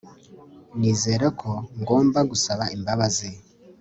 Nizera ko ngomba gusaba imbabazi